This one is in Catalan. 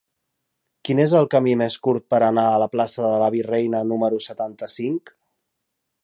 Quin és el camí més curt per anar a la plaça de la Virreina número setanta-cinc?